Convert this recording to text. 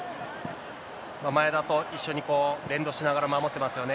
前田と一緒に連動しながら、守ってますよね。